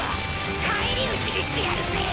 返り討ちにしてやるぜィ！